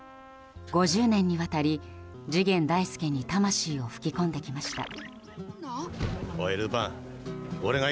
５０年にわたり次元大介に魂を吹き込んできました。